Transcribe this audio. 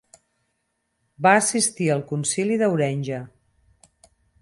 Va assistir al concili d'Aurenja.